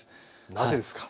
なぜですか。